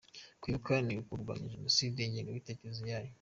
Kwibuka ni ukurwanya Jenoside n’ingengabitekerezo yayo.